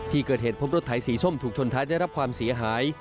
ที่เกิดเหตุพบรถไถสีส้มถูกชนท้ายได้รับความเสียหาย